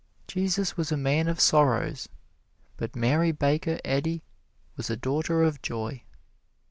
Jesus was a Man of Sorrows but Mary Baker Eddy was a Daughter of Joy.